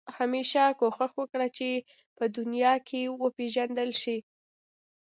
همېشه کوښښ وکړه چې په دنیا کې وپېژندل شې.